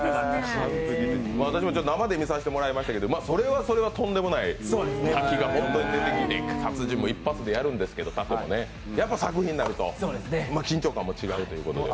私も生で見せさせていただきましたけど、それはそれはとんでもない滝が出てきて殺陣もやるんですけどやっぱり一発となると緊張感も違うみたいで。